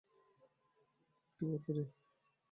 একটু পর করি।